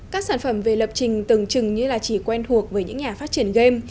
các sản phẩm về lập trình tưởng chừng như là chỉ quen thuộc với những nhà phát triển game